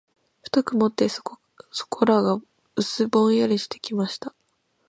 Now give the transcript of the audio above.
ふと曇って、そこらが薄ぼんやりしてきました。